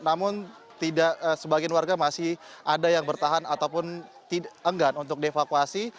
namun sebagian warga masih ada yang bertahan ataupun enggan untuk dievakuasi